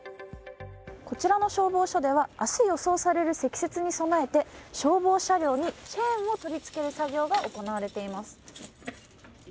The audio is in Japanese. こちらの消防署では明日、予想される積雪に備えて消防車両にチェーンを取り付ける作業が行われています。